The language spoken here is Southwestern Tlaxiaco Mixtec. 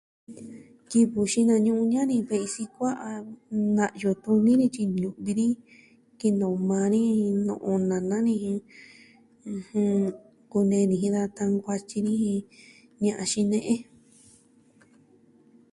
Kivɨ xinañu'un ña'an ni ve'i sikua'a na'yu tuni ni tyi ñu'vi ni. Kinoo maa ni jen no'o nana ni, ɨjɨn, kunee ni jin da ta'an kuatyi jin ña'an xine'e.